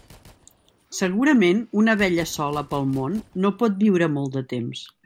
Segurament una abella sola pel món no pot viure molt de temps.